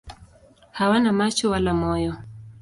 Hawana macho wala moyo.